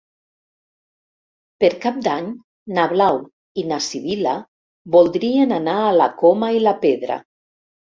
Per Cap d'Any na Blau i na Sibil·la voldrien anar a la Coma i la Pedra.